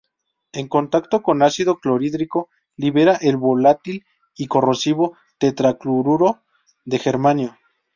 En contacto con ácido clorhídrico, libera el volátil y corrosivo tetracloruro de germanio.